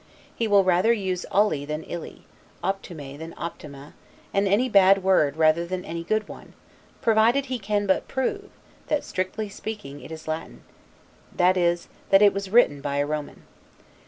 He will rather use 'olli' than 'illi', 'optume' than 'optima', and any bad word rather than any good one, provided he can but prove, that strictly speaking, it is Latin; that is, that it was written by a Roman.